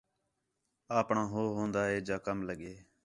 اپݨا ہو ہون٘دا ہے جا کم لڳے